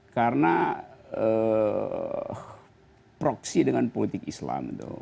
karena proksi dengan politik islam tuh